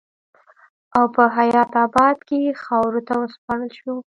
او پۀ حيات اباد کښې خاورو ته وسپارل شو